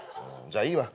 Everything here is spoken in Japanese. じゃあいいわ。